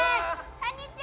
こんにちは！